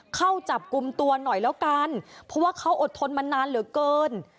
เข้าจับกลุ่มตัวหน่อยแล้วกันเพราะว่าเขาอดทนมานานเหลือเกิน